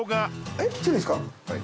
えっちょっといいですか？